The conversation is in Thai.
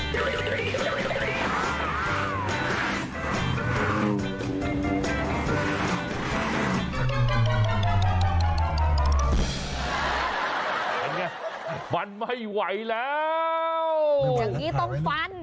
มันไม่ไหวแล้วอย่างงี้ต้องฟัน